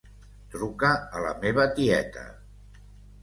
Truca a la meva tieta.